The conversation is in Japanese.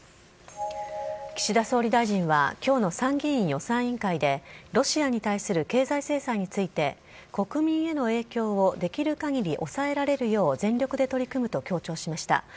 岸田総理大臣は、きょうの参議院予算委員会で、ロシアに対する経済制裁について、国民への影響をできるかぎり抑えられるよう全力で取り組むと強調しました。